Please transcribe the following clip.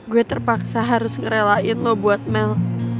gue terpaksa harus ngerelain lo buat mel